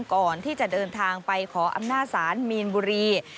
ก่อนที่จะเดินทางไปขออำนาจศาลมีนบุรี